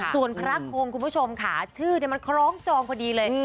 ส่วนพระคงคุณผู้ชมค่ะชื่อมันคล้องจองพอดีเลย